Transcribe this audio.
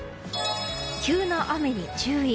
急な雨に注意。